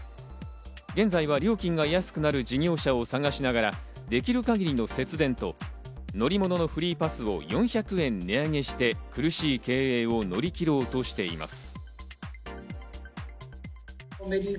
現在は料金が安くなる事業者を探しながらできる限りの節電と乗り物のフリーパスを４００円値上げして、苦しい経営を乗り切ろうとしています。